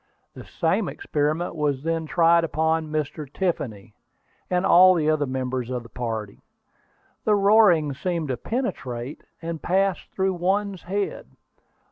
The same experiment was then tried upon Mr. Tiffany, and all the other members of the party. The roaring seemed to penetrate, and pass through one's head.